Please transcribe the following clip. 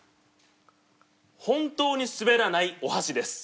ほんとうにすべらないお箸です。